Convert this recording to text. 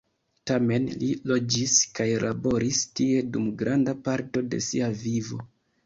Tamen, li loĝis kaj laboris tie dum granda parto de sia vivo.